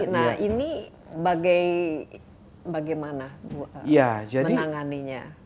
nah ini bagaimana menanganinya